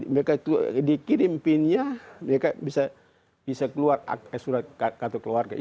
mereka dikirim pinnya mereka bisa keluar surat kartu keluarganya